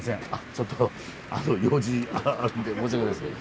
ちょっと用事あるんで申し訳ございません。